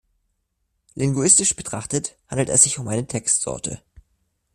Linguistisch betrachtet handelt es sich um eine Textsorte.